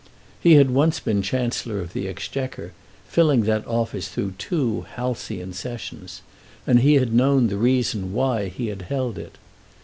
He had once been Chancellor of the Exchequer, filling that office through two halcyon Sessions, and he had known the reason why he had held it.